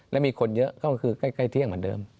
แล้วมีคนเยอะก็คือใกล้เที่ยงเหมือนเดิม